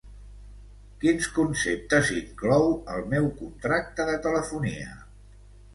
Quins conceptes inclou el meu contracte de telefonia?